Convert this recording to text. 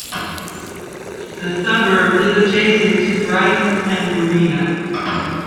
The suburb is adjacent to Brighton and Marino.